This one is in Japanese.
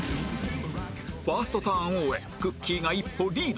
ファーストターンを終えくっきー！が一歩リード